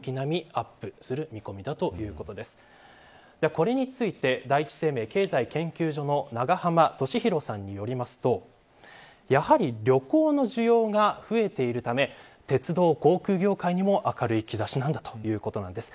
これについて第一生命経済研究所の永濱利廣さんによりますとやはり旅行の需要が増えているため鉄道・航空業界にも明るい兆しなんだということです。